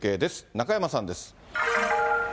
中山さんです。